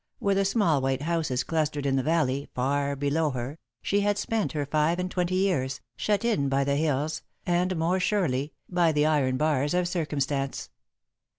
Where the small white houses clustered in the valley, far below her, she had spent her five and twenty years, shut in by the hills, and, more surely, by the iron bars of circumstance.